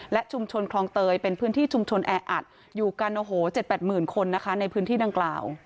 และชุมชนคลองเตยเป็นพื้นที่ชุมชนแออัดอยู่กันโอ้โห๗๘หมื่นคนนะคะในพื้นที่ดังกล่าว